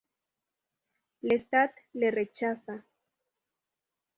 Lestat le rechaza.